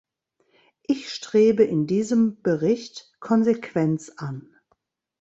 Ich strebe in diesem Bericht Konsequenz an.